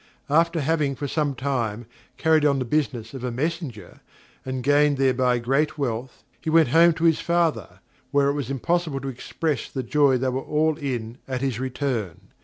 After having, for some time, carried on the business of a messenger, and gained thereby great wealth, he went home to his father, where it was impossible to express the joy they were all in at his return.